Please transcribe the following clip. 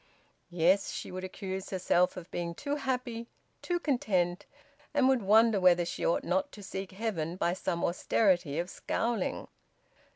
Yes, she would accuse herself of being too happy, too content, and would wonder whether she ought not to seek heaven by some austerity of scowling.